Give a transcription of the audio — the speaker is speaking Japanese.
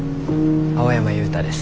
青山悠太です。